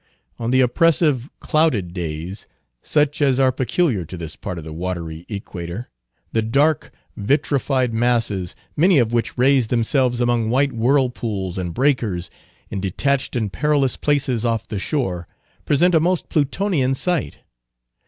On the oppressive, clouded days, such as are peculiar to this part of the watery Equator, the dark, vitrified masses, many of which raise themselves among white whirlpools and breakers in detached and perilous places off the shore, present a most Plutonian sight.